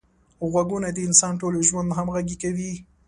غوږونه د انسان ټول ژوند همغږي کوي